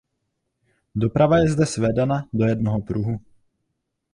Doprava je zde svedena do jednoho pruhu.